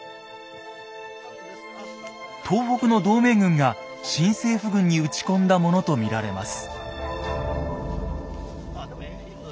東北の同盟軍が新政府軍に撃ち込んだものと見られます。